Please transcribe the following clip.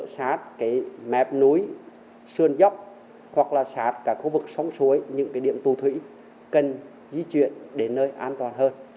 sát cái mép núi sơn dốc hoặc là sát cả khu vực sông suối những cái điểm tù thủy cần di chuyển đến nơi an toàn hơn